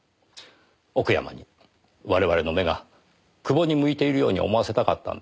奥山に我々の目が久保に向いているように思わせたかったんです。